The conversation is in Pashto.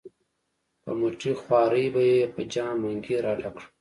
په مټې خوارۍ به یې په جام منګي را ډک کړل.